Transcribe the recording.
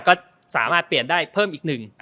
ก็สามารถเปลี่ยนได้เพิ่มอีกหนึ่ง